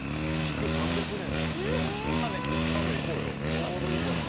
ちょうどいいじゃない。